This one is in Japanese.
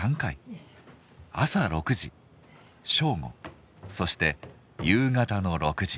朝６時正午そして夕方の６時。